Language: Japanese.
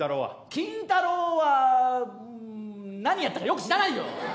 「金太郎」はうん何やったかよく知らないよ！